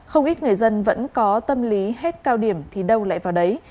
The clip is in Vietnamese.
không ít người dân vẫn có tâm lý hết cao điểm thì đâu lại vào đấy